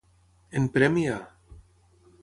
En premi a.